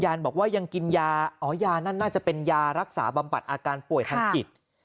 บอกว่ายังกินยาอ๋อยานั่นน่าจะเป็นยารักษาบำบัดอาการป่วยทางจิต